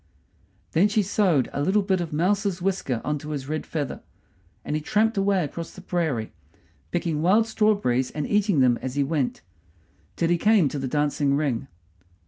Then she sewed a little bit of a mouse's whisker on to his red feather; and he tramped away across the prairie, picking wild strawberries and eating them as he went, till he came to the dancing ring.